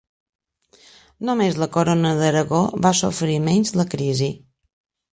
Només la Corona d'Aragó va sofrir menys la crisi.